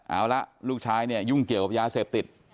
เอาละลูกชายเนี่ยยุ่งเกี่ยวกับยาเสพติด